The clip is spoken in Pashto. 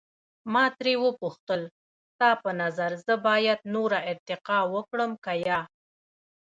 ما ترې وپوښتل، ستا په نظر زه باید نوره ارتقا وکړم که یا؟